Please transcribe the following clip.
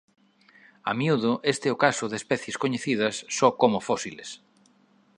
A miúdo este é o caso de especies coñecidas só como fósiles.